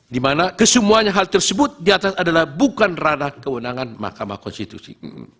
dimana kesemuanya hal tersebut di atas adalah bukan ranah kewenangan mahkamah konstitusi